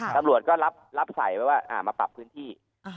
ตำรวจก็รับใส่ไว้ว่ามาปรับพื้นที่